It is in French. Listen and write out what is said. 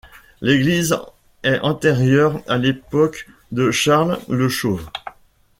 L’église est antérieure à l'époque de Charles le Chauve.